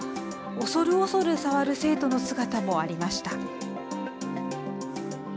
恐る恐る触る生徒の姿もありました。